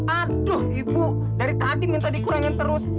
aduh ibu dari tadi minta dikurangin terus